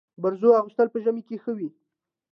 برزو اغوستل په ژمي کي ښه وي.